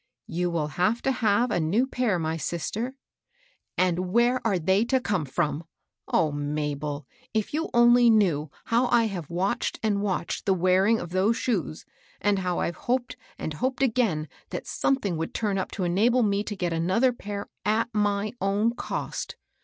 You will have to have a new pair, my sister." " And where are 'they to come from? O Ma bel ! if you only knew how I have watched and watched the wearing of those shoes, and how I've hoped and hoped again that something would turn up to enable me to get another pair at my own cost!